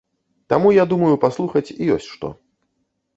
Таму я думаю, паслухаць ёсць што.